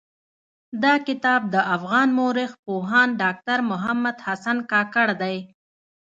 دا کتاب د افغان مٶرخ پوهاند ډاکټر محمد حسن کاکړ دٸ.